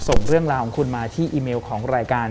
ส่งเรื่องราวของคุณมาที่อีเมลของรายการ